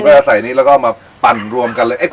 จะใส่นี้แล้วก็มาปั่นรวมกันเลย